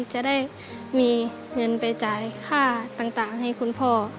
จะได้มีเงินไปจ่ายค่าต่างให้คุณพ่อ